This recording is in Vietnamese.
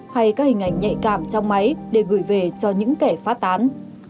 hay các hình ảnh nhạy cảm trong máy để gửi về cho những kẻ phát tán